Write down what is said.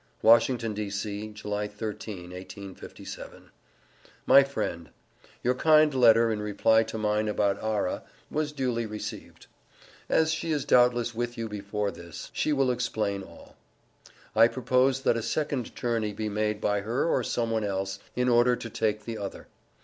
WASHINGTON, D.C., July 13th, 1857. MY FRIEND: Your kind letter in reply to mine about Arrah was duly received. As she is doubtless with you before this, she will explain all. I propose that a second journey be made by her or some one else, in order to take the other.